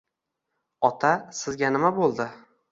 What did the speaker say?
Ota, sizga nima bo`ldi